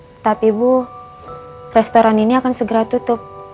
tetapi ibu restoran ini akan segera tutup